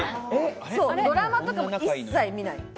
ドラマとかも一切見ない。